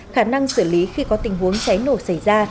khả năng xử lý khi có tình huống cháy nổ xảy ra